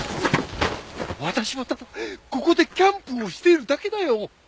私はただここでキャンプをしているだけだよ。